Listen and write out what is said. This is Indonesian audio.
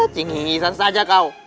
cingkisan saja kau